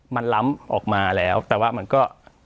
มันล้ำออกมาแล้วแต่ว่ามันก็